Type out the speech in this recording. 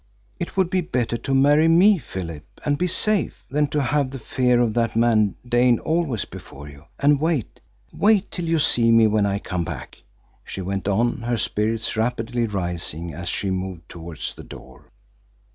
It would be better to marry me, Philip, and be safe, than to have the fear of that man Dane always before you. And wait wait till you see me when I come back!" she went on, her spirits rapidly rising as she moved towards the door.